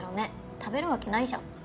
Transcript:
食べるわけないじゃん。